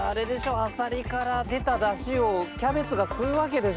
あさりから出たダシをキャベツが吸うわけでしょ？